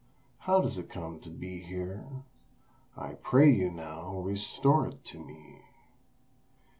How does it come to be here? I pray you now restore it to me."